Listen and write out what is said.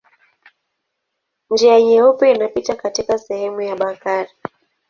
Njia Nyeupe inapita katika sehemu ya Bakari.